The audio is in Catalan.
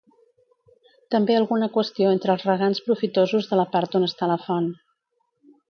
També alguna qüestió entre els regants profitosos de la part on està la font.